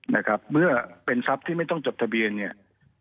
นะครับเมื่อเป็นทรัพย์ที่ไม่ต้องจดทะเบียนเนี่ย